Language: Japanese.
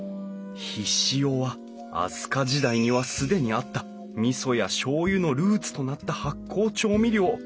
醤は飛鳥時代には既にあったみそやしょう油のルーツとなった発酵調味料！